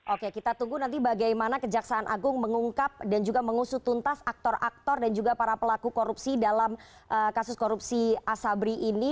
oke kita tunggu nanti bagaimana kejaksaan agung mengungkap dan juga mengusutuntas aktor aktor dan juga para pelaku korupsi dalam kasus korupsi asabri ini